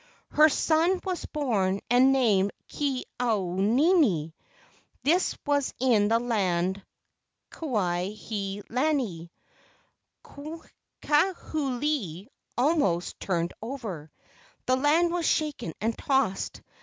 Her son was born and named Ke au nini. This was in the land Kuai he lani. Kahuli almost turned over. The land was shaken and tossed.